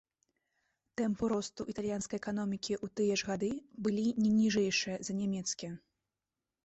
Тэмпы росту італьянскай эканомікі ў тыя ж гады былі не ніжэйшыя за нямецкія.